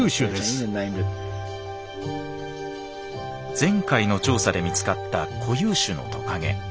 前回の調査で見つかった固有種のトカゲ。